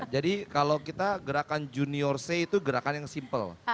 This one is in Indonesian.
jadi kalau kita gerakan junior c itu gerakan yang simple